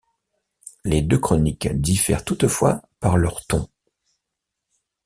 Les deux chroniques diffèrent toutefois par leur ton.